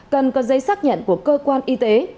cần có giấy xác nhận của cơ quan y tế